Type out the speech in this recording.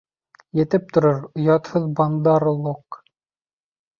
Етеп торор, оятһыҙ Бандар-лог!